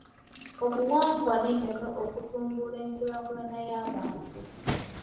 Obuwangwa n’ennono okutumbula enkulaakulana y’abantu.